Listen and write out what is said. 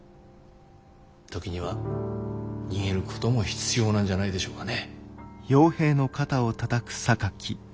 時には逃げることも必要なんじゃないでしょうかね。